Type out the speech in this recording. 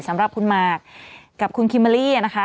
สำหรับคุณหมากกับคุณคิมเบอร์รี่นะคะ